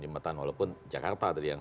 jembatan walaupun jakarta tadi yang